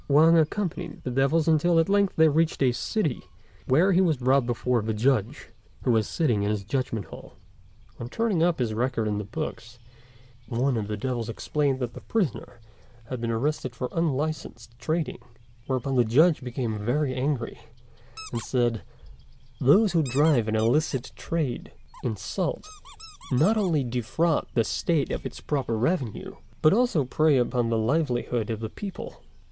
Wang accompanied the devils until at length they reached a city, where he was brought before the Judge, who was sitting in his Judgment hall. On turning up his record in the books, one of the devils explained that the prisoner had been arrested for unlicensed trading; whereupon the Judge became very angry, and said, "Those who drive an illicit trade in salt, not only defraud the State of its proper revenue, but also prey upon the livelihood of the people.